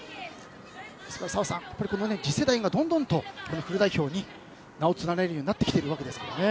澤さん、次世代がどんどんとフル代表に名を連ねるようになってきていますね。